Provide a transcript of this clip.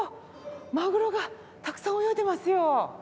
マグロがたくさん泳いでますよ。